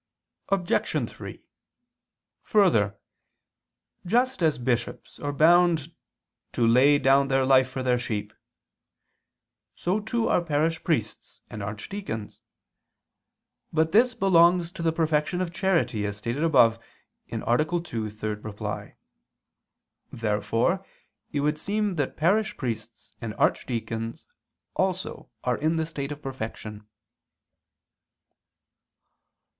Obj. 3: Further, just as bishops are bound to "lay down their life for their sheep," so too are parish priests and archdeacons. But this belongs to the perfection of charity, as stated above (A. 2, ad 3). Therefore it would seem that parish priests and archdeacons also are in the state of perfection.